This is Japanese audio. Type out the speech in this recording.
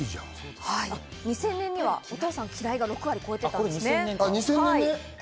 ２０００年にはお父さん嫌いが６割を超えてました。